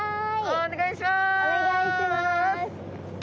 お願いします。